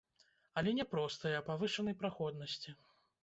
Але не простае, а павышанай праходнасці.